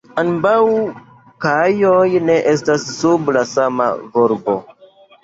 Ambaŭ kajoj ne estas sub la sama volbo.